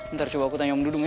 ntar coba aku tanya om dulu ya